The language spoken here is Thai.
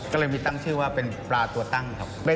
ก็เลยมีตั้งชื่อว่าเป็นปลาตัวตั้งครับ